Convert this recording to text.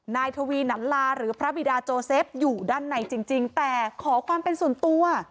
นายทวีหนันลาหรือพระบิดาโจเซฟอยู่ด้านในจริงแต่ขอความเป็นส่วนตัว